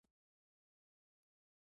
زعفران د کوکنارو غوره بدیل دی